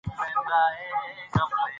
بلکي فکري مطالعه شروع کړه،